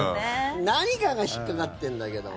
何かが引っかかってるんだけど。